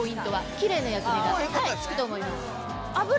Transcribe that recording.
キレイな焼け目がつくと思います。